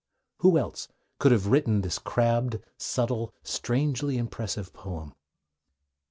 Who else could have written this crabbed, subtle, strangely impressive poem?